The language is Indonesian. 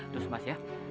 terus mas ya